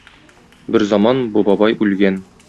Берзаман бу бабай үлгән.